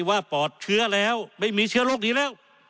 ว่าปอดเชื้อแล้วไม่มีเชื้อโรคอยู่แล้ว